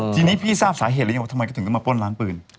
ทีนี้พี่ทราบสาเหตุหรือยังว่าทำไมก็ถึงต้องมาป้นร้านปืน